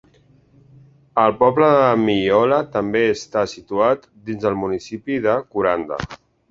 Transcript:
El poble de Myola també està situat dins el municipi de Kuranda.